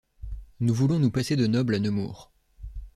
Nous voulons nous passer de nobles à Nemours.